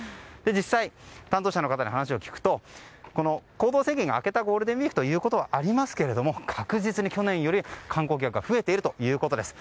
実際、担当者の方に話を聞くと、行動制限が明けたゴールデンウィークということもありますけれども確実に去年より観光客が増えているということです。